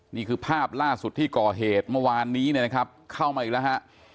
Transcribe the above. นี่คือภาพล่าสุดที่ก่อเหตุเมื่อวานนี้เนี่ยนะครับเข้ามาอีกแล้วฮะ